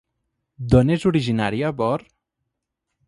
D'on és originària Vör?